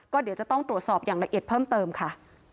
ก็เดี๋ยวจะต้องตรวจสอบอย่างละเอียดเพิ่มเติมค่ะ